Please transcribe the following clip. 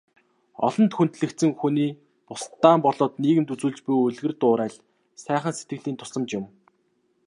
Олонд хүндлэгдсэн хүний бусдадаа болоод нийгэмд үзүүлж буй үлгэр дуурайл, сайхан сэтгэлийн тусламж юм.